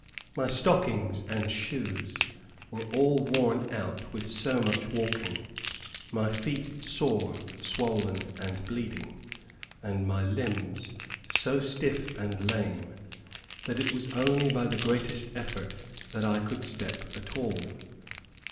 My stockings and shoes were all worn out with so much walking, my feet sore, swollen, and bleeding, and my limbs so stiff and lame that it was only by the greatest effort that I could step at all.